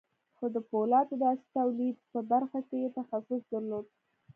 خو د پولادو د عصري توليد په برخه کې يې تخصص درلود.